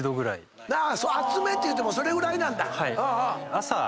熱めっていうてもそれぐらいなんだ。